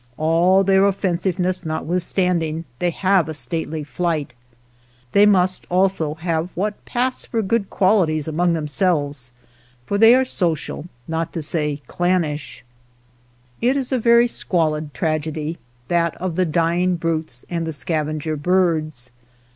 All their offensiveness notwithstanding, they have a stately flight. They must also have what pass for good qualities among them selves, for they are social, not to say clan nish. 48 THE SCAVENGERS It is a very squalid tragedy, — that of the dying brutes and the scavenger birds.